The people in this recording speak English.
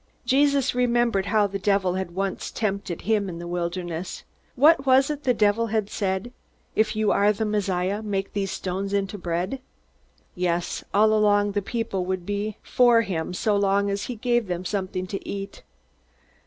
Jesus remembered how the devil had once tempted him in the wilderness. What was it that the devil had said? "If you are the Messiah, make these stones into bread." Yes, all the people would be for him so long as he gave them something to eat.